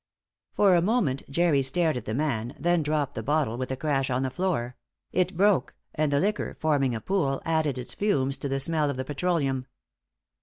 For a moment Jerry stared at the man, then dropped the bottle with a crash on the floor; it broke, and the liquor forming a pool, added its fumes to the smell of the petroleum.